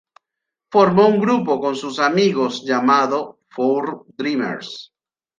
Formó un grupo con sus amigos llamado "Four Dreamers".